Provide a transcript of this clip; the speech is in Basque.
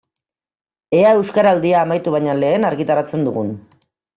Ea Euskaraldia amaitu baino lehen argitaratzen dugun.